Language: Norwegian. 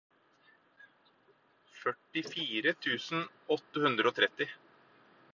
førtifire tusen åtte hundre og tretti